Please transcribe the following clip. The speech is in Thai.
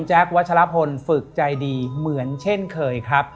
วัชลพลฝึกใจดีเหมือนเช่นเคยครับ